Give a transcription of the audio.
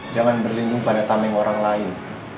jangan berlindung pada tameng orang lain